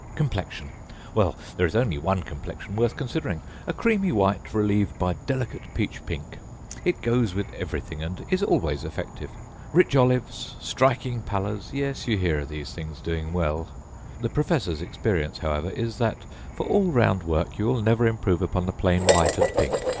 Complexion! Well, there is only one complexion worth consideringâa creamy white, relieved by delicate peach pink. It goes with everything, and is always effective. Rich olives, striking pallorsâyes, you hear of these things doing well. The professorâs experience, however, is that for all round work you will never improve upon the plain white and pink.